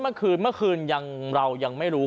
เมื่อคืนเรายังไม่รู้